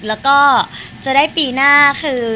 แล้วก็จะได้ปีหน้าคือ